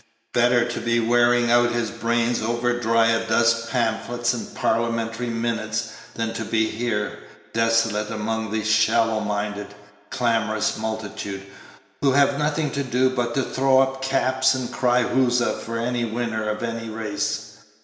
Better to be wearing out his brains over Dryasdust pamphlets and Parliamentary minutes than to be here, desolate among this shallow minded, clamorous multitude, who have nothing to do but to throw up caps and cry huzza for any winner of any race.